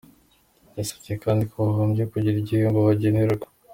Yasabye kandi ko bagombye kugira igihembo bagenerwa.